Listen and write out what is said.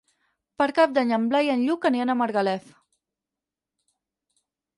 Per Cap d'Any en Blai i en Lluc aniran a Margalef.